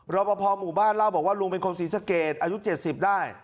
รอปภหมู่บ้านเล่าบอกว่าลุงเป็นคนศรีสะเกดอายุ๗๐ได้